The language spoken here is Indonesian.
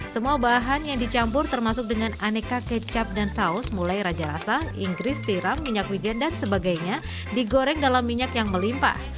semua bahan yang dicampur termasuk dengan aneka kecap dan saus mulai raja rasa inggris tiram minyak wijen dan sebagainya digoreng dalam minyak yang melimpah